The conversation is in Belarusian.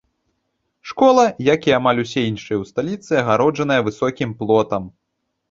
Школа, як і амаль ўсе іншыя ў сталіцы, агароджаная высокім плотам.